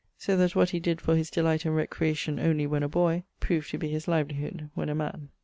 So that what he did for his delight and recreation only when a boy, proved to be his livelyhood when a man.